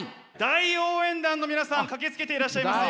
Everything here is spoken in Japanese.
大応援団の皆さん駆けつけていらっしゃいます。